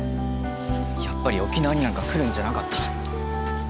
やっぱり沖縄になんか来るんじゃなかった。